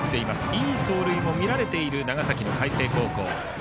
いい走塁も見られている長崎の海星高校。